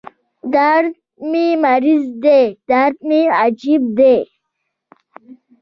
دردمې مرض دی دردمې علاج دی